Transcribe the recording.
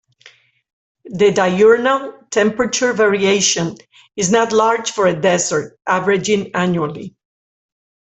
The diurnal temperature variation is not large for a desert, averaging annually.